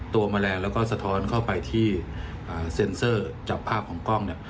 แมลงแล้วก็สะท้อนเข้าไปที่เซ็นเซอร์จับภาพของกล้องเนี่ย